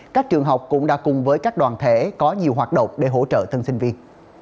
các trường học cũng đã cùng với các đoàn thể có nhiều hoạt động để hỗ trợ thân sinh viên